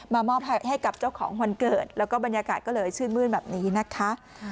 มอบให้กับเจ้าของวันเกิดแล้วก็บรรยากาศก็เลยชื่นมื้นแบบนี้นะคะ